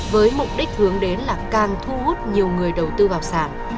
với mục đích hướng đến là càng thu hút nhiều người đầu tư vào sản